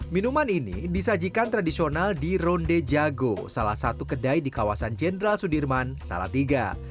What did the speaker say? minuman ini disajikan tradisional di ronde jago salah satu kedai di kawasan jenderal sudirman salatiga